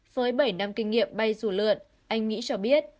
với bảy năm kinh nghiệm bay dù lượn anh nghĩ cho biết